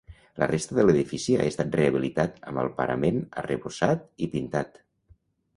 La resta de l'edifici ha estat rehabilitat, amb el parament arrebossat i pintat.